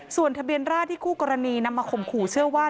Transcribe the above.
ส่วนทะเบียนราชที่คู่กรณีนำมาข่มขู่เชื่อว่า